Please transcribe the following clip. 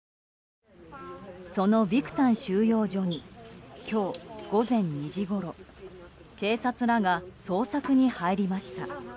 そのビクタン収容所に今日午前２時ごろ警察らが捜索に入りました。